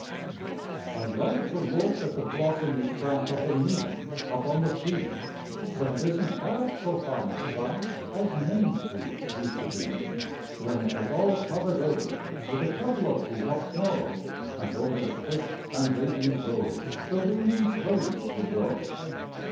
I like to look at the blossomy track of the moon upon the sea, But it isn't half so fine a sight as Main Street used to be When it all was covered over with a couple of feet of snow, And over the crisp and radiant road the ringing sleighs would go.